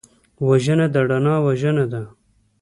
وژنه د رڼا وژنه ده